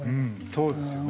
そうですよね。